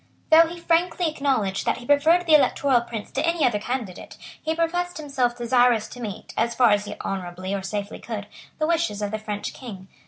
Though he frankly acknowledged that he preferred the Electoral Prince to any other candidate, he professed. himself desirous to meet, as far as he honourably or safely could, the wishes of the French King.